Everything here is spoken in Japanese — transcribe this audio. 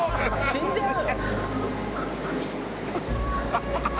死んじゃうよ！」